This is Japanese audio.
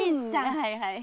はいはい。